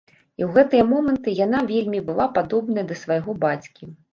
І ў гэтыя моманты яна вельмі была падобна да свайго бацькі.